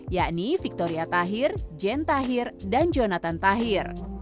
yakni victoria tahir jane tahir dan jonathan tahir